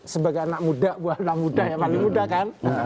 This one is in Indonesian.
sebagai anak muda wah anak muda ya maling muda